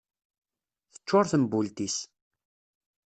Tecčur tembult-is.